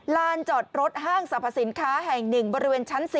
ลานจอดรถห้างสรรพสินค้าแห่ง๑บริเวณชั้น๔